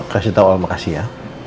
kasih tau alamakasih ya